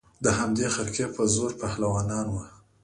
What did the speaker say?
د همدې خرقې په زور پهلوانان وه